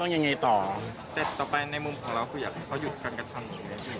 ในมุมของเราก็อยากให้เขาหยุดการการทำอะไร